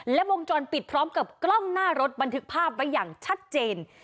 และวงจรปิดพร้อมกับกล้องหน้ารถบันทึกภาพไว้อย่างชัดเจน